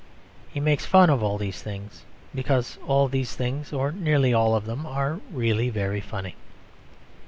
He makes fun of all these things because all these things, or nearly all of them, are really very funny.